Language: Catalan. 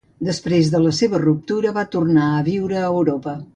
Després de la seva ruptura, va tornar a viure a Europa.